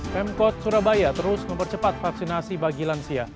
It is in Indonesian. pemkot surabaya terus mempercepat vaksinasi bagi lansia